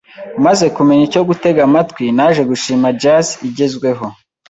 Maze kumenya icyo gutega amatwi, naje gushima jazz igezweho.